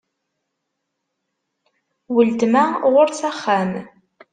Uletma ɣur-s axxam.